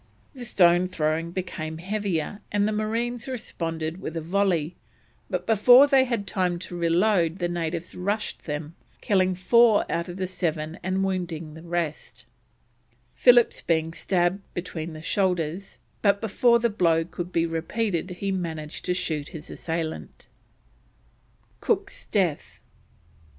The stone throwing became heavier, and the marines responded with a volley, but before they had time to reload the natives rushed them, killing four out of the seven and wounding the rest, Phillips being stabbed between the shoulders, but, before the blow could be repeated he managed to shoot his assailant. COOK'S DEATH.